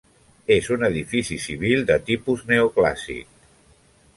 És un edifici civil de tipus neoclàssic.